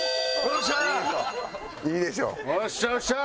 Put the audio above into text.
よっしゃ！